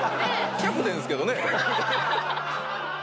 キャプテンですよね？